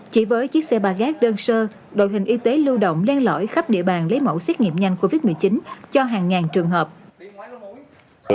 chỉ với chiếc xe ba gác đơn sơ đội hình y tế lưu động lên lõi khắp địa bàn lấy mẫu xét nghiệm nhanh covid một mươi chín cho hàng ngàn trường hợp